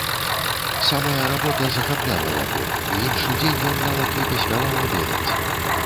Самая работа захапляла яго, і іншы дзень ён нават не паспяваў абедаць.